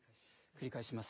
繰り返します。